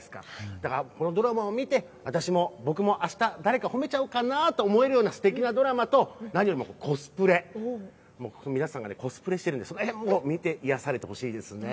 だからこのドラマを見て私も僕もあした誰かを褒めちゃおうかなと思えるようなすてきなドラマと何よりもコスプレ、皆さんがコスプレしているのでその辺を見て癒やされてほしいですね。